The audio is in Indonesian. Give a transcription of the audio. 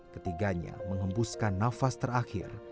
ketiganya mengembuskan nafas terakhir